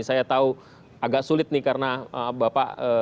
saya tahu agak sulit nih karena bapak